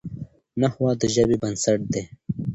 نحوه د ژبي بنسټ دئ.